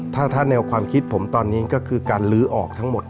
ถ้าแนวความคิดผมตอนนี้ก็คือการลื้อออกทั้งหมด